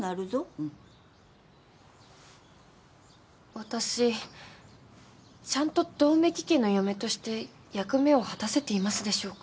私ちゃんと百目鬼家の嫁として役目を果たせていますでしょうか？